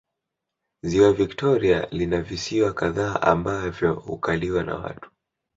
Ziwa Victoria lina visiwa kadhaa ambavyo hukaliwa na watu